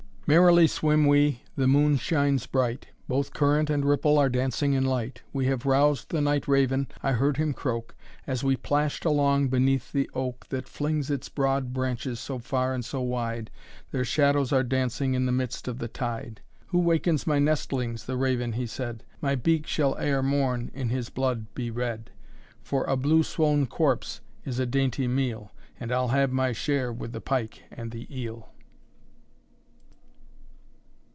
I. Merrily swim we, the moon shines bright, Both current and ripple are dancing in light. We have roused the night raven, I heard him croak, As we plashed along beneath the oak That flings its broad branches so far and so wide, Their shadows are dancing in midst of the tide. "Who wakens my nestlings," the raven he said, "My beak shall ere morn in his blood be red. For a blue swoln corpse is a dainty meal. And I'll have my share with the pike and the eel."